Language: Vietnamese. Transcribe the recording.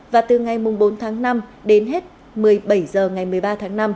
và từ ngày bốn tháng năm đến hết một mươi bảy h ngày một mươi ba tháng năm